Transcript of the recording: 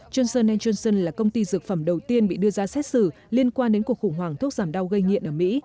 johnson johnson là công ty dược phẩm đầu tiên bị đưa ra xét xử liên quan đến cuộc khủng hoảng thuốc giảm đau gây nghiện ở mỹ